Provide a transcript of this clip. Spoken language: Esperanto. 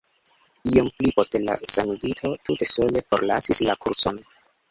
Iom pli poste la sanigito tute sole forlasis la kurson.